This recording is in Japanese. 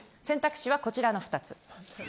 選択肢はこちらの２つ。